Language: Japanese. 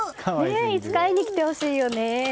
いつか会いに来てほしいよね。